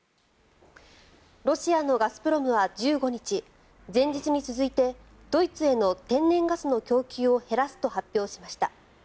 ロシアのガスプロムは１５日前日に続いてドイツへの天然ガスの供給を減らすと発表しました。